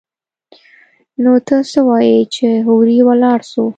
نو ته څه وايي چې هورې ولاړ سو.